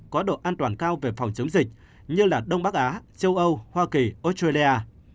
có độ an toàn cao về phòng chống dịch như đông bắc á châu âu hoa kỳ australia